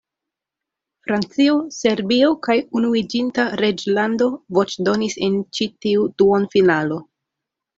Francio, Serbio kaj Unuiĝinta Reĝlando voĉdonis en ĉi tiu duonfinalo.